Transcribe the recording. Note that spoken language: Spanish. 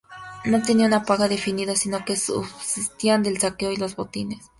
No tenían una paga definida, sino que subsistían del saqueo y los botines.